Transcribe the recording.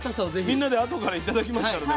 みんなであとから頂きますからね。